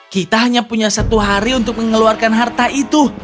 kita hanya punya satu hari untuk mengeluarkan harta itu